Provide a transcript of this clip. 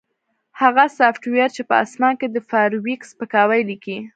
هغه سافټویر چې په اسمان کې د فارویک سپکاوی لیکي